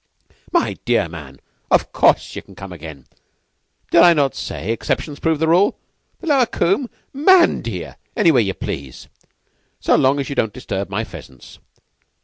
"My dear man, of course ye can come again. Did I not say exceptions prove the rule? The lower combe? Man, dear, anywhere ye please, so long as you do not disturb my pheasants.